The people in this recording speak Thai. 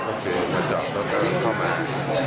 ก็คือมาจอดรถเดินเข้ามา